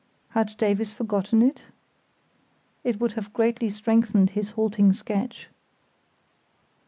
Had Davies forgotten it? It would have greatly strengthened his halting sketch.